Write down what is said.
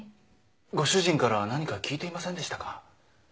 ご主人から何か聞いていませんでしたか？